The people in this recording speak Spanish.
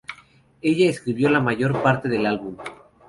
Ella escribió la mayor parte del álbum.